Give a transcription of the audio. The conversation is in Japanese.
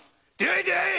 出会え！